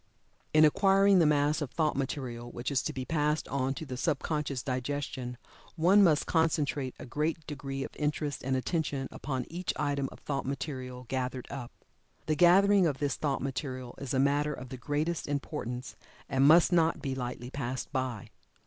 In acquiring the mass of thought material which is to be passed on to the sub conscious digestion, one must concentrate a great degree of interest and attention upon each item of thought material gathered up. The gathering of this thought material is a matter of the greatest importance, and must not be lightly passed by.